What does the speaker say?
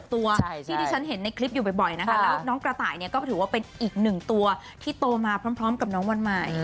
ตัวที่ที่ฉันเห็นในคลิปอยู่บ่อยนะคะแล้วน้องกระต่ายเนี่ยก็ถือว่าเป็นอีกหนึ่งตัวที่โตมาพร้อมกับน้องวันใหม่